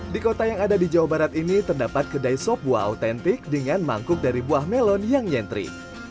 di kota yang ada di jawa barat ini terdapat kedai sop buah autentik dengan mangkuk dari buah melon yang nyentri